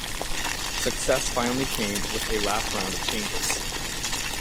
Success finally came with a last round of changes.